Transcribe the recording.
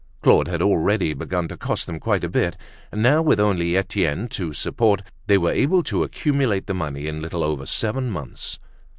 Claude had already begun to cost them quite a bit. Now, with only Etienne to support, they were able to accumulate the money in a little over seven months.